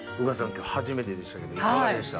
今日初めてでしたけどいかがでした？